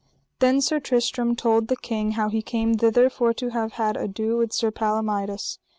Then Sir Tristram told the king how he came thither for to have had ado with Sir Palomides.